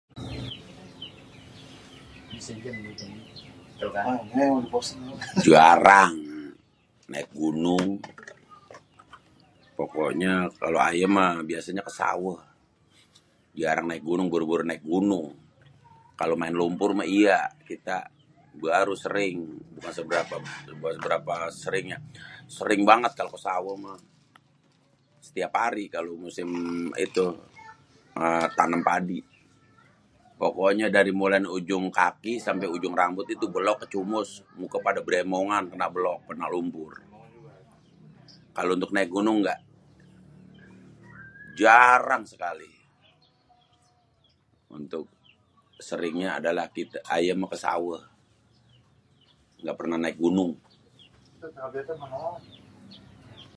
Jarang naik gunung, pokonye kalo ayé meh biasanye ke saweh jarang naik gunung boro-boro naik gunung kalo maen lumpur mah iya, kita baru sering berapa, berapa seringnya sering banget kalo ke saweh meh setiap hari kalo tanem padi pokonye dari mulaiin ujung kaki sampe ujung rambut itu belok kecumus muka pade beremongan kena lumpur. Kalo untuk naik gunung ga jarang sekali, seringnye adalah kite, aye mah ke saweh ga perneh naik gunung.